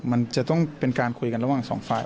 มันจะต้องเป็นการคุยกันระหว่างสองฝ่าย